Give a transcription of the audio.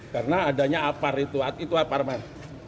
karena adanya apar itu itu apar man